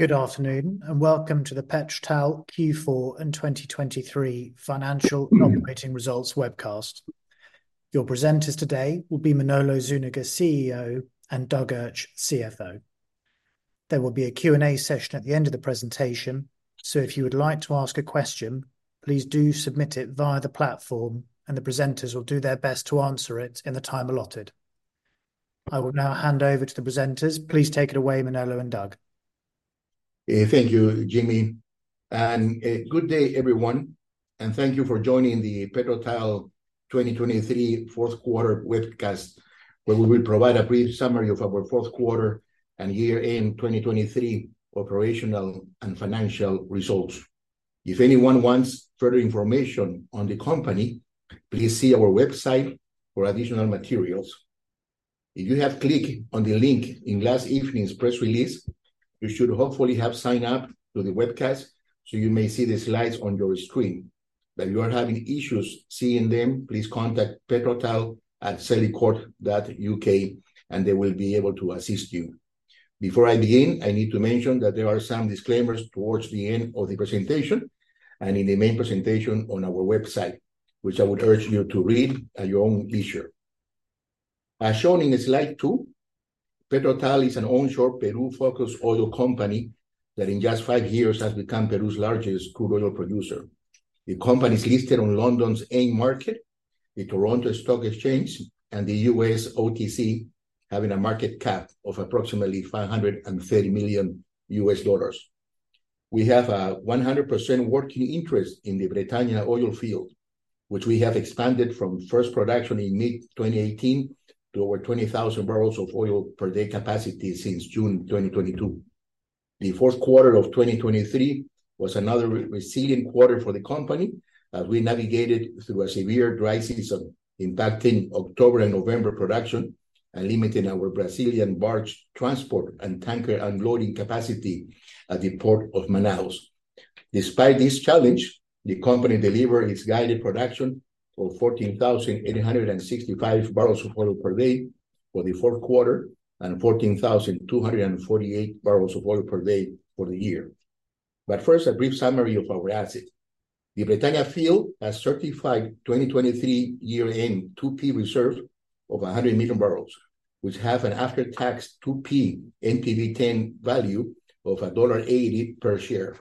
Good afternoon and welcome to the PetroTal Q4 and 2023 Financial and Operating Results webcast. Your presenters today will be Manolo Zúñiga, CEO, and Doug Urch, CFO. There will be a Q&A session at the end of the presentation, so if you would like to ask a question, please do submit it via the platform and the presenters will do their best to answer it in the time allotted. I will now hand over to the presenters. Please take it away, Manolo and Doug. Thank you, Jimmy. Good day everyone, and thank you for joining the PetroTal 2023 fourth quarter webcast, where we will provide a brief summary of our fourth quarter and year-end 2023 operational and financial results. If anyone wants further information on the company, please see our website for additional materials. If you have clicked on the link in last evening's press release, you should hopefully have signed up to the webcast so you may see the slides on your screen. But if you are having issues seeing them, please contact petrotal@celicourt.uk and they will be able to assist you. Before I begin, I need to mention that there are some disclaimers towards the end of the presentation and in the main presentation on our website, which I would urge you to read at your own leisure. As shown in slide two, PetroTal is an onshore Peru-focused oil company that in just five years has become Peru's largest crude oil producer. The company is listed on London's AIM market, the Toronto Stock Exchange, and the US OTC, having a market cap of approximately $530 million. We have a 100% working interest in the Bretaña oil field, which we have expanded from first production in mid-2018 to over 20,000 barrels of oil per day capacity since June 2022. The fourth quarter of 2023 was another resilient quarter for the company as we navigated through a severe dry season impacting October and November production and limiting our Brazilian barge transport and tanker unloading capacity at the port of Manaus. Despite this challenge, the company delivered its guided production of 14,865 barrels of oil per day for the fourth quarter and 14,248 barrels of oil per day for the year. But first, a brief summary of our assets. The Bretaña field has certified 2023 year-end 2P reserve of 100 million barrels, which have an after-tax 2P NPV10 value of $1.80 per share.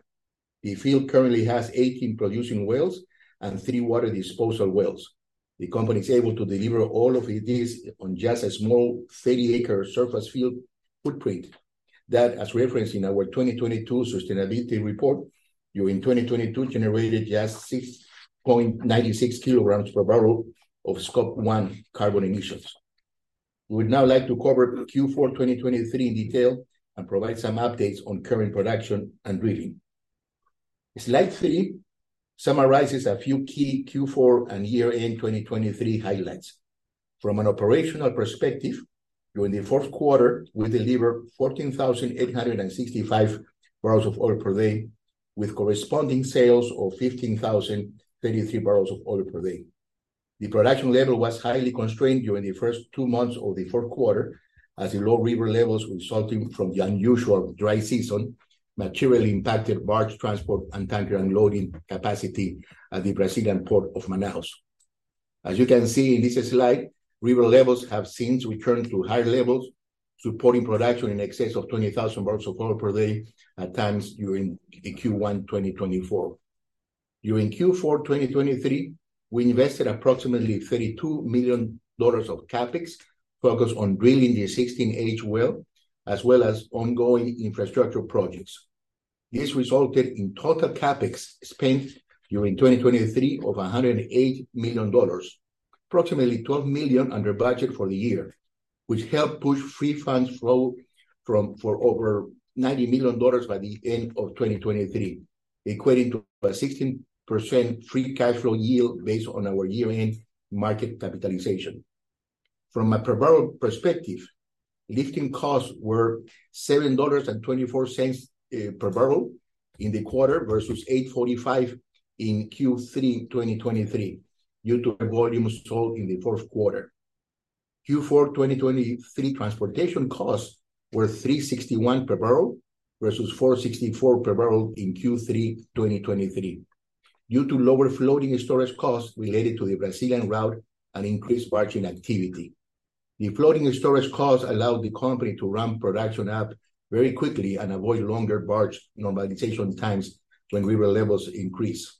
The field currently has 18 producing wells and 3 water disposal wells. The company is able to deliver all of these on just a small 30-acre surface field footprint that, as referenced in our 2022 sustainability report, during 2022 generated just 6.96 kilograms per barrel of Scope 1 carbon emissions. We would now like to cover Q4 2023 in detail and provide some updates on current production and reading. Slide 3 summarizes a few key Q4 and year-end 2023 highlights. From an operational perspective, during the fourth quarter, we delivered 14,865 barrels of oil per day with corresponding sales of 15,033 barrels of oil per day. The production level was highly constrained during the first two months of the fourth quarter as the low river levels resulting from the unusual dry season materially impacted barge transport and tanker unloading capacity at the Brazilian port of Manaus. As you can see in this slide, river levels have since returned to higher levels, supporting production in excess of 20,000 barrels of oil per day at times during the Q1 2024. During Q4 2023, we invested approximately $32 million of CAPEX focused on drilling the 16H well, as well as ongoing infrastructure projects. This resulted in total CAPEX spent during 2023 of $108 million, approximately $12 million under budget for the year, which helped push Free Funds Flow to over $90 million by the end of 2023, equating to a 16% free cash flow yield based on our year-end market capitalization. From a per barrel perspective, lifting costs were $7.24 per barrel in the quarter versus $8.45 in Q3 2023 due to volumes sold in the fourth quarter. Q4 2023 transportation costs were $3.61 per barrel versus $4.64 per barrel in Q3 2023 due to lower floating storage costs related to the Brazilian route and increased barging activity. The floating storage costs allowed the company to ramp production up very quickly and avoid longer barge normalization times when river levels increase.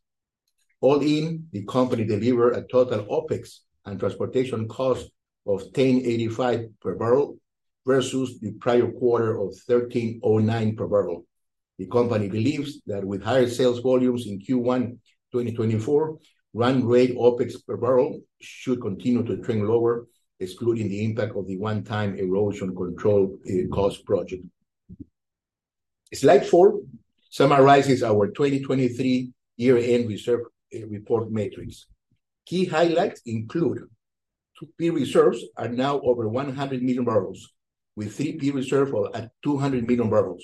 All in, the company delivered a total OPEX and transportation cost of $10.85 per barrel versus the prior quarter of $13.09 per barrel. The company believes that with higher sales volumes in Q1 2024, run rate OPEX per barrel should continue to trend lower, excluding the impact of the one-time erosion control cost project. Slide four summarizes our 2023 year-end reserve report matrix. Key highlights include 2P reserves are now over 100 million barrels, with 3P reserve at 200 million barrels.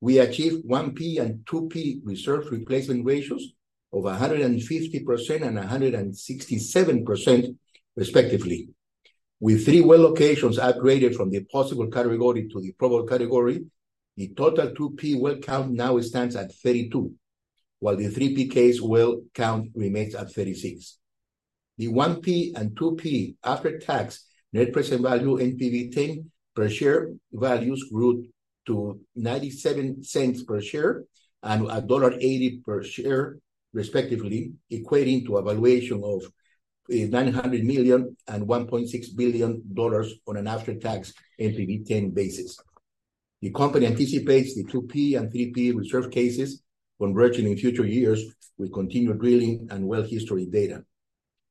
We achieved 1P and 2P reserve replacement ratios of 150% and 167%, respectively. With three well locations upgraded from the possible category to the probable category, the total 2P well count now stands at 32, while the 3P case well count remains at 36. The 1P and 2P after-tax net present value NPV10 per share values grew to $0.97 per share and $1.80 per share, respectively, equating to a valuation of $900 million and $1.6 billion on an after-tax NPV10 basis. The company anticipates the 2P and 3P reserve cases converging in future years with continued drilling and well history data.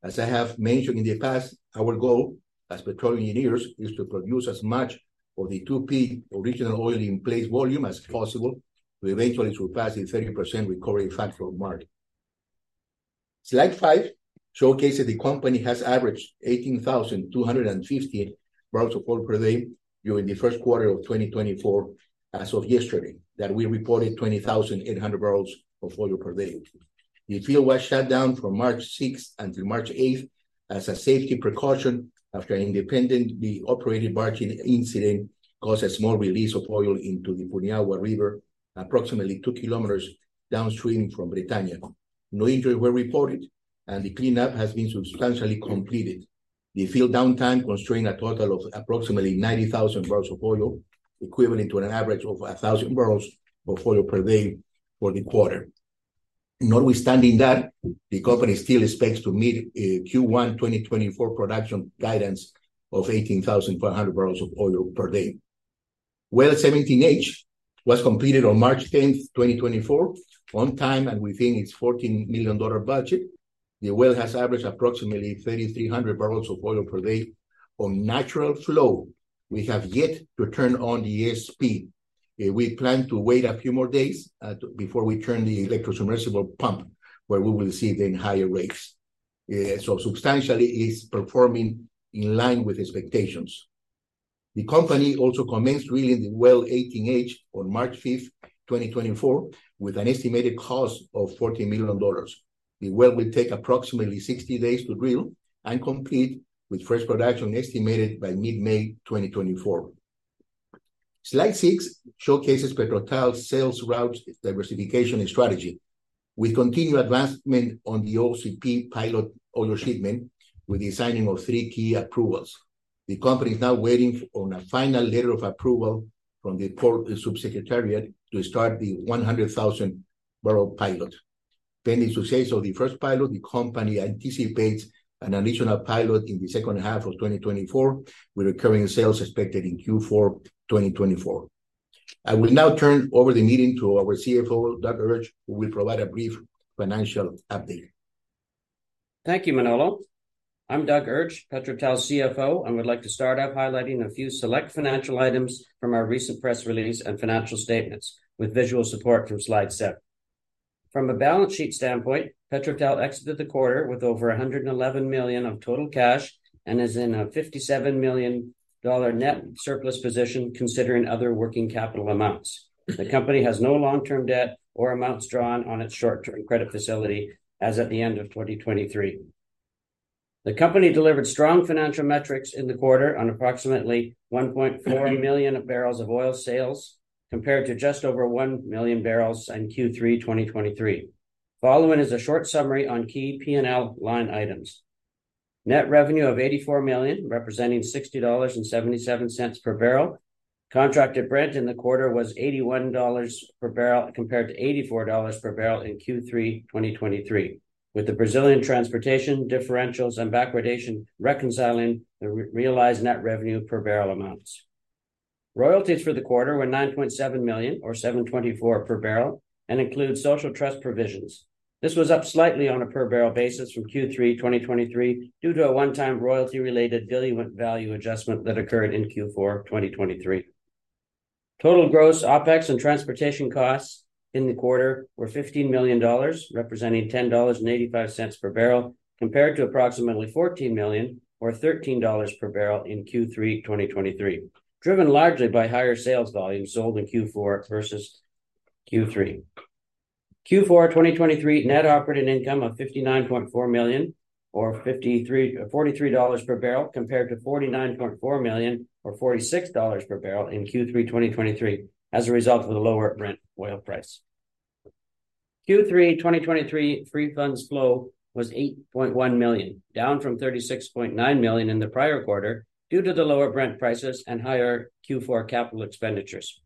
As I have mentioned in the past, our goal as petroleum engineers is to produce as much of the 2P original oil in place volume as possible to eventually surpass the 30% recovery factor mark. Slide 5 showcases the company has averaged 18,250 barrels of oil per day during the first quarter of 2024 as of yesterday, that we reported 20,800 barrels of oil per day. The field was shut down from March 6th until March 8th as a safety precaution after an independently operated barging incident caused a small release of oil into the Puinahua River, approximately two kilometers downstream from Bretaña. No injuries were reported, and the cleanup has been substantially completed. The field downtime constrained a total of approximately 90,000 barrels of oil, equivalent to an average of 1,000 barrels of oil per day for the quarter. Notwithstanding that, the company still expects to meet Q1 2024 production guidance of 18,500 barrels of oil per day. Well 17H was completed on March 10th, 2024, on time and within its $14 million budget. The well has averaged approximately 3,300 barrels of oil per day on natural flow. We have yet to turn on the ESP. We plan to wait a few more days before we turn the electrosubmersible pump, where we will see then higher rates. So substantially, it's performing in line with expectations. The company also commenced drilling the well 18H on March 5th, 2024, with an estimated cost of $14 million. The well will take approximately 60 days to drill and complete with fresh production estimated by mid-May 2024. Slide 6 showcases PetroTal's sales routes diversification strategy with continued advancement on the OCP pilot oil shipment, with the signing of 3 key approvals. The company is now waiting on a final letter of approval from the port subsecretariat to start the 100,000 barrel pilot. Pending success of the first pilot, the company anticipates an additional pilot in the second half of 2024, with recurring sales expected in Q4 2024. I will now turn over the meeting to our CFO, Doug Urch, who will provide a brief financial update. Thank you, Manolo. I'm Doug Urch, PetroTal CFO, and would like to start off highlighting a few select financial items from our recent press release and financial statements with visual support from slide seven. From a balance sheet standpoint, PetroTal exited the quarter with over $111 million of total cash and is in a $57 million net surplus position considering other working capital amounts. The company has no long-term debt or amounts drawn on its short-term credit facility as at the end of 2023. The company delivered strong financial metrics in the quarter on approximately 1.4 million barrels of oil sales, compared to just over 1 million barrels in Q3 2023. Following is a short summary on key P&L line items. Net revenue of $84 million, representing $60.77 per barrel. Contracted at Brent in the quarter was $81 per barrel, compared to $84 per barrel in Q3 2023, with the Brazilian transportation differentials and backwardation reconciling the realized net revenue per barrel amounts. Royalties for the quarter were $9.7 million or $7.24 per barrel and include social trust provisions. This was up slightly on a per barrel basis from Q3 2023 due to a one-time royalty-related valuation adjustment that occurred in Q4 2023. Total gross OPEX and transportation costs in the quarter were $15 million, representing $10.85 per barrel, compared to approximately $14 million or $13 per barrel in Q3 2023, driven largely by higher sales volumes sold in Q4 versus Q3. Q4 2023 net operating income of $59.4 million or $43 per barrel, compared to $49.4 million or $46 per barrel in Q3 2023 as a result of the lower Brent oil price. Q3 2023 free funds flow was $8.1 million, down from $36.9 million in the prior quarter due to the lower Brent prices and higher Q4 capital expenditures.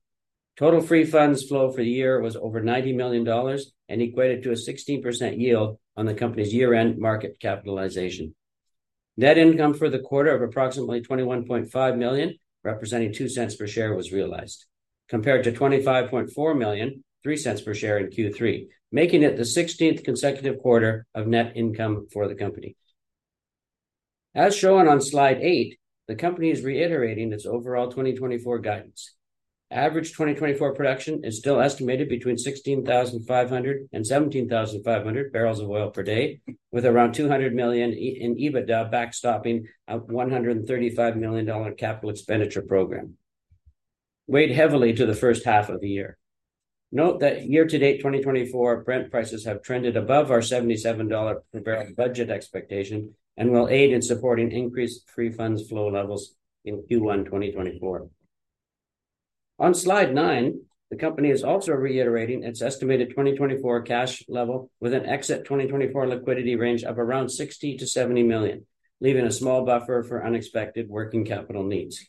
Total free funds flow for the year was over $90 million and equated to a 16% yield on the company's year-end market capitalization. Net income for the quarter of approximately $21.5 million, representing $0.02 per share, was realized, compared to $25.4 million or $0.03 per share in Q3, making it the 16th consecutive quarter of net income for the company. As shown on slide eight, the company is reiterating its overall 2024 guidance. Average 2024 production is still estimated between 16,500-17,500 barrels of oil per day, with around $200 million in EBITDA backstopping a $135 million capital expenditure program, weighed heavily to the first half of the year. Note that year-to-date 2024 Brent prices have trended above our $77 per barrel budget expectation and will aid in supporting increased free funds flow levels in Q1 2024. On slide nine, the company is also reiterating its estimated 2024 cash level with an exit 2024 liquidity range of around $60-$70 million, leaving a small buffer for unexpected working capital needs.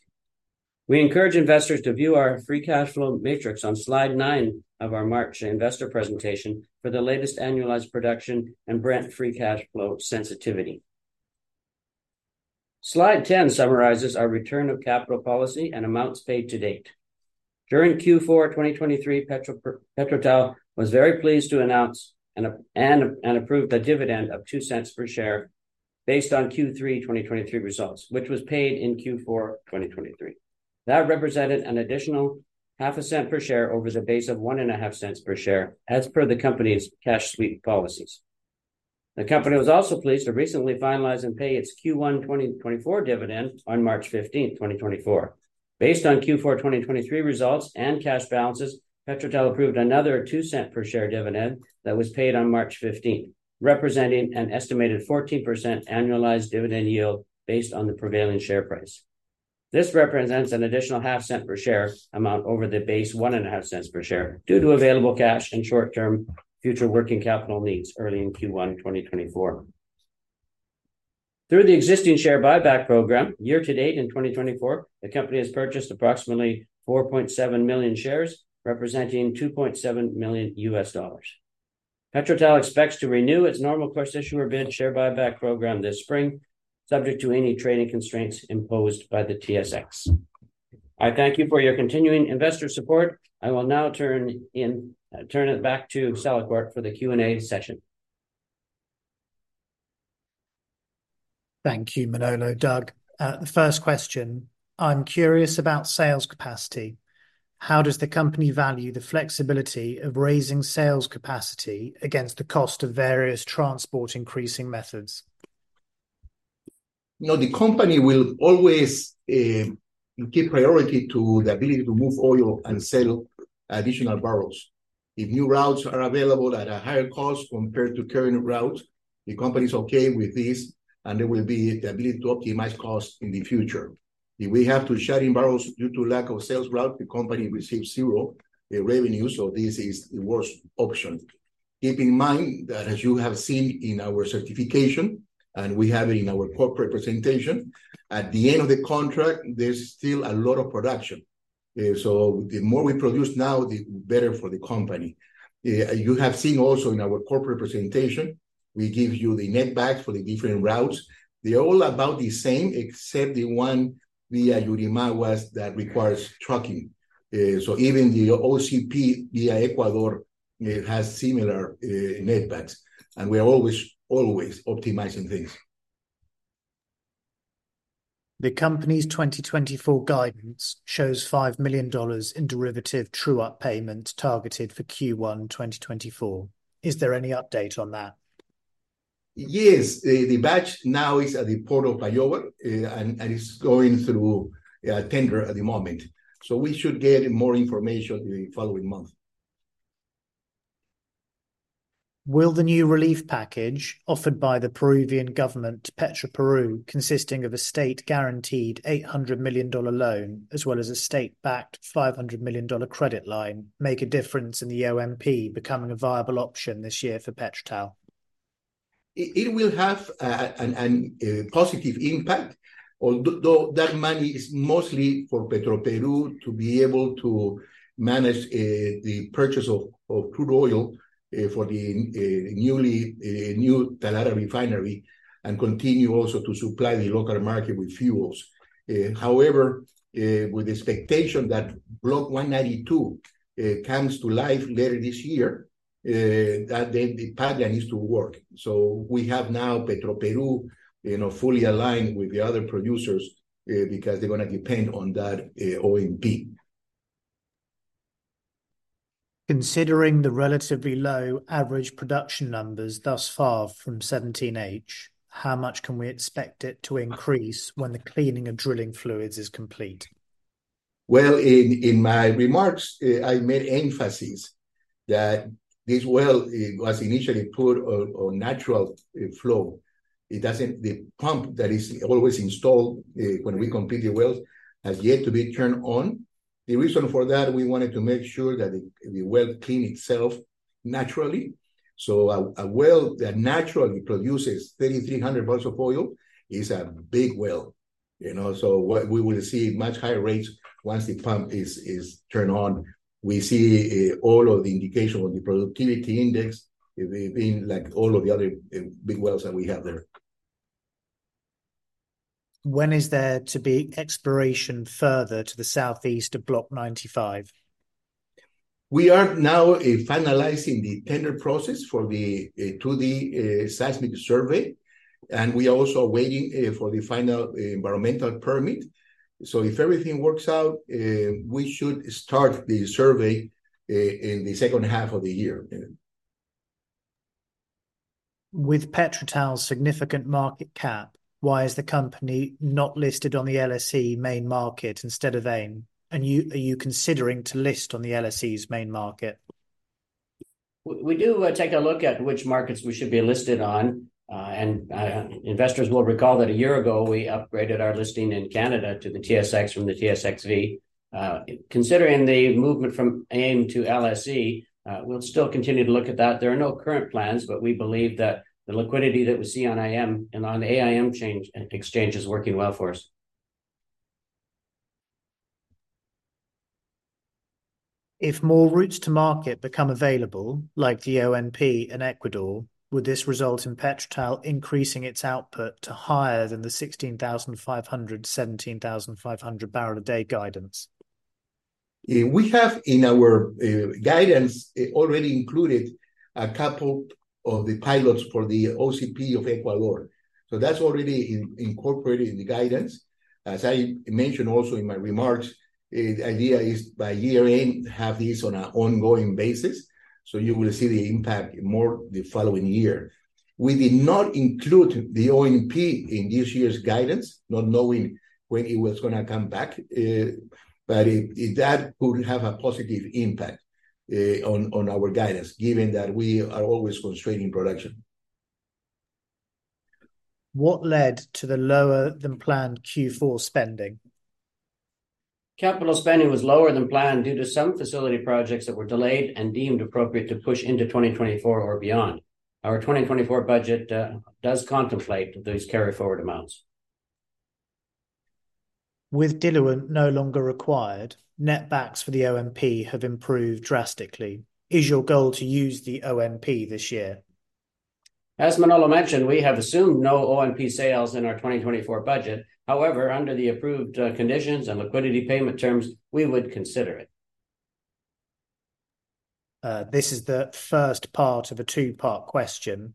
We encourage investors to view our free cash flow matrix on slide nine of our March investor presentation for the latest annualized production and Brent free cash flow sensitivity. Slide 10 summarizes our return of capital policy and amounts paid to date. During Q4 2023, PetroTal was very pleased to announce and approve the dividend of $0.02 per share based on Q3 2023 results, which was paid in Q4 2023. That represented an additional $0.005 per share over the base of $0.015 per share as per the company's cash use policies. The company was also pleased to recently finalize and pay its Q1 2024 dividend on March 15th, 2024. Based on Q4 2023 results and cash balances, PetroTal approved another $0.02 per share dividend that was paid on March 15th, representing an estimated 14% annualized dividend yield based on the prevailing share price. This represents an additional $0.005 per share amount over the base $0.015 per share due to available cash and short-term future working capital needs early in Q1 2024. Through the existing share buyback program, year-to-date in 2024, the company has purchased approximately 4.7 million shares, representing $2.7 million. PetroTal expects to renew its normal course issuer bid share buyback program this spring, subject to any trading constraints imposed by the TSX. I thank you for your continuing investor support. I will now turn it back to Celicourt Communications for the Q&A session. Thank you, Manolo. Doug, the first question: I'm curious about sales capacity. How does the company value the flexibility of raising sales capacity against the cost of various transport-increasing methods? You know, the company will always give priority to the ability to move oil and sell additional barrels. If new routes are available at a higher cost compared to current routes, the company is okay with this, and there will be the ability to optimize costs in the future. If we have to shut in barrels due to lack of sales route, the company receives zero revenue, so this is the worst option. Keep in mind that, as you have seen in our certification and we have it in our corporate presentation, at the end of the contract, there's still a lot of production. So the more we produce now, the better for the company. You have seen also in our corporate presentation, we give you the netback for the different routes. They're all about the same, except the one via Yurimaguas that requires trucking. Even the OCP via Ecuador has similar netback, and we are always, always optimizing things. The company's 2024 guidance shows $5 million in derivative true-up payments targeted for Q1 2024. Is there any update on that? Yes. The batch now is at the port of Bayóvar, and it's going through a tender at the moment. So we should get more information in the following month. Will the new relief package offered by the Peruvian government to Petroperú, consisting of a state-guaranteed $800 million loan as well as a state-backed $500 million credit line, make a difference in the ONP becoming a viable option this year for PetroTal? It will have a positive impact, although that money is mostly for Petroperú to be able to manage the purchase of crude oil for the newly new Talara refinery and continue also to supply the local market with fuels. However, with the expectation that Block 192 comes to life later this year, then the pipeline is to work. So we have now Petroperú, you know, fully aligned with the other producers because they're going to depend on that ONP. Considering the relatively low average production numbers thus far from 17H, how much can we expect it to increase when the cleaning of drilling fluids is complete? Well, in my remarks, I made emphasis that this well was initially put on natural flow. It doesn't, the pump that is always installed when we complete the wells has yet to be turned on. The reason for that, we wanted to make sure that the well clean itself naturally. So a well that naturally produces 3,300 barrels of oil is a big well, you know? So we will see much higher rates once the pump is turned on. We see all of the indication on the productivity index being like all of the other big wells that we have there. When is there to be exploration further to the southeast of Block 95? We are now finalizing the tender process for the 2D seismic survey, and we are also waiting for the final environmental permit. So if everything works out, we should start the survey in the second half of the year. With PetroTal's significant market cap, why is the company not listed on the LSE main market instead of AIM? And are you considering to list on the LSE's main market? We do take a look at which markets we should be listed on. Investors will recall that a year ago, we upgraded our listing in Canada to the TSX from the TSXV. Considering the movement from AIM to LSE, we'll still continue to look at that. There are no current plans, but we believe that the liquidity that we see on AIM and on the TSX exchange is working well for us. If more routes to market become available, like the ONP in Ecuador, would this result in PetroTal increasing its output to higher than the 16,500-17,500 barrel a day guidance? We have in our guidance already included a couple of the pilots for the OCP of Ecuador. So that's already incorporated in the guidance. As I mentioned also in my remarks, the idea is by year-end to have this on an ongoing basis. So you will see the impact more the following year. We did not include the ONP in this year's guidance, not knowing when it was going to come back. But that could have a positive impact on our guidance, given that we are always constraining production. What led to the lower-than-planned Q4 spending? Capital spending was lower than planned due to some facility projects that were delayed and deemed appropriate to push into 2024 or beyond. Our 2024 budget does contemplate these carry-forward amounts. With diluent no longer required, netback for the ONP has improved drastically. Is your goal to use the ONP this year? As Manolo mentioned, we have assumed no ONP sales in our 2024 budget. However, under the approved conditions and liquidity payment terms, we would consider it. This is the first part of a two-part question.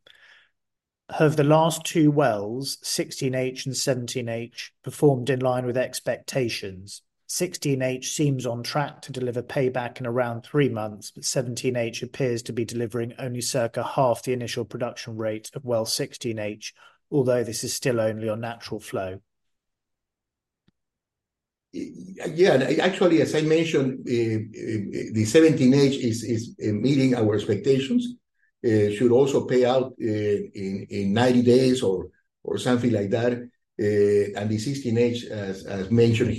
Have the last two wells, 16H and 17H, performed in line with expectations? 16H seems on track to deliver payback in around three months, but 17H appears to be delivering only circa half the initial production rate of well 16H, although this is still only on natural flow. Yeah. Actually, as I mentioned, the 17H is meeting our expectations. Should also pay out in 90 days or something like that. And the 16H, as mentioned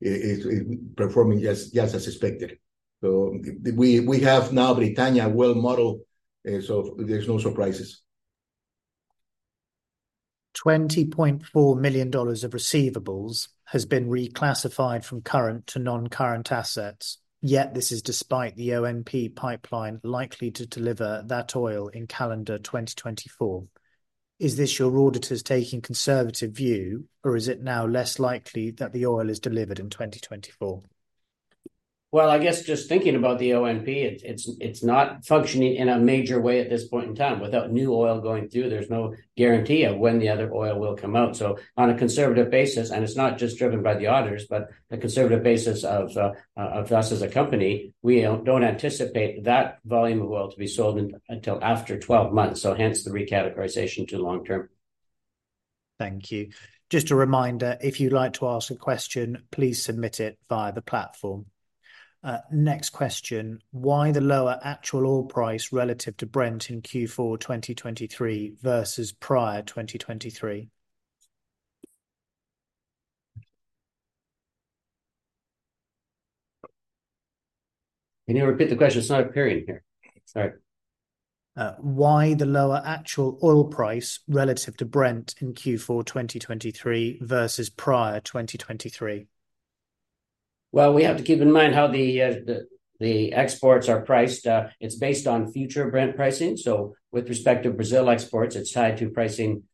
here, is performing just as expected. So we have now Bretaña well model, so there's no surprises. $20.4 million of receivables has been reclassified from current to non-current assets. Yet this is despite the ONP pipeline likely to deliver that oil in calendar 2024. Is this your auditor's taking conservative view, or is it now less likely that the oil is delivered in 2024? Well, I guess just thinking about the ONP, it's not functioning in a major way at this point in time. Without new oil going through, there's no guarantee of when the other oil will come out. So on a conservative basis and it's not just driven by the auditors, but the conservative basis of us as a company, we don't anticipate that volume of oil to be sold until after 12 months. So hence the recategorization to long term. Thank you. Just a reminder, if you'd like to ask a question, please submit it via the platform. Next question: Why the lower actual oil price relative to Brent in Q4 2023 versus prior 2023? Can you repeat the question? It's not appearing here. Sorry. Why the lower actual oil price relative to Brent in Q4 2023 versus prior 2023? Well, we have to keep in mind how the exports are priced. It's based on future Brent pricing. So with respect to Brazil exports, it's tied to pricing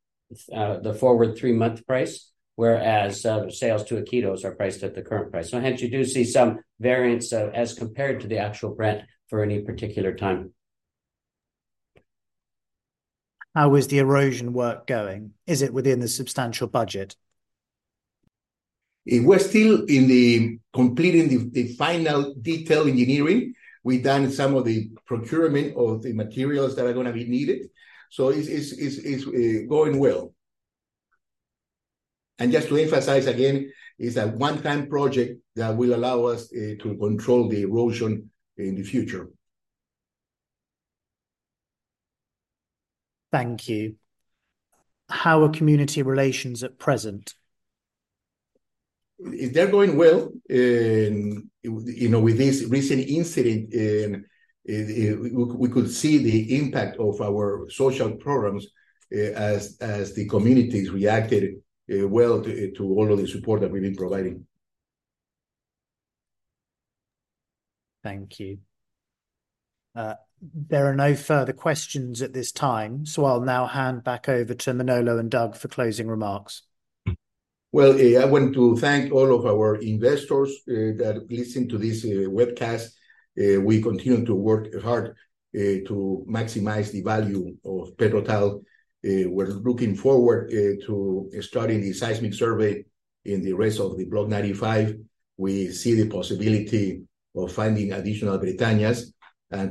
the forward three-month price, whereas sales to Iquitos are priced at the current price. So hence you do see some variance as compared to the actual Brent for any particular time. How is the erosion work going? Is it within the substantial budget? It was still in completing the final detailed engineering. We've done some of the procurement of the materials that are going to be needed. So it's going well. And just to emphasize again, it's a one-time project that will allow us to control the erosion in the future. Thank you. How are community relations at present? They're going well. You know, with this recent incident, we could see the impact of our social programs as the communities reacted well to all of the support that we've been providing. Thank you. There are no further questions at this time, so I'll now hand back over to Manolo and Doug for closing remarks. Well, I want to thank all of our investors that listened to this webcast. We continue to work hard to maximize the value of PetroTal. We're looking forward to starting the seismic survey in the rest of the Block 95. We see the possibility of finding additional Bretañas,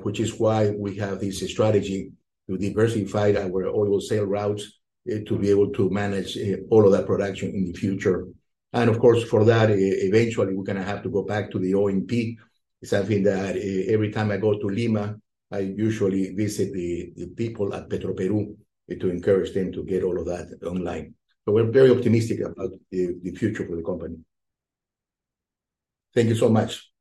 which is why we have this strategy to diversify our oil sale routes to be able to manage all of that production in the future. And of course, for that, eventually, we're going to have to go back to the ONP. It's something that every time I go to Lima, I usually visit the people at Petroperú to encourage them to get all of that online. So we're very optimistic about the future for the company. Thank you so much.